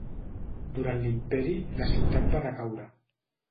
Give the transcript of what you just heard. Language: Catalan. Durant l'imperi la ciutat va decaure.